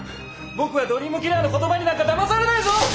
僕はドリームキラーの言葉になんかだまされないぞ！